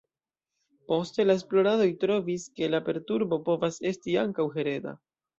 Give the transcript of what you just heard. Poste la esploradoj trovis, ke la perturbo povas esti ankaŭ hereda.